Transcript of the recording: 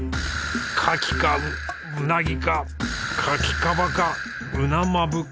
牡蠣かうなぎか牡蠣カバかうなまぶか。